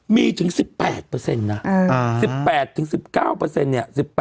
มีถึง๑๘นะ๑๘ถึง๑๙เนี่ย๑๘๖๘